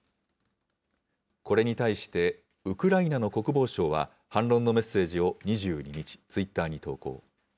これに対して、ウクライナの国防省は反論のメッセージを２２日、ツイッターに投稿。